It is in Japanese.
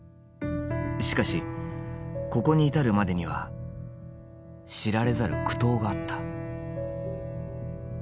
しかしここに至るまでには知られざる苦闘があった。